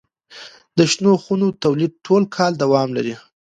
د شنو خونو تولید ټول کال دوام لري.